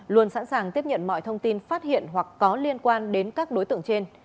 luôn sẵn sàng tiếp nhận mọi thông tin phát hiện hoặc có liên quan đến các đối tượng trên